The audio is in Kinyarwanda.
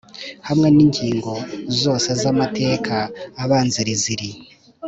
Hamwe n ingingo zose z amateka abanziriza iri